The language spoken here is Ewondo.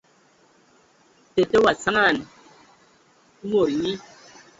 Tətə wa saŋan aaa mod nyi.